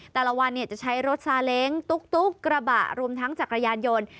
แต่ละวันจะใช้รถซาเล้งตุ๊กกระบะรวมทั้งจักรยานยนต์